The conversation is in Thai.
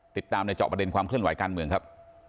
ติดตามในเจาะประเด็นความเคลื่อนไหวการเมืองครับ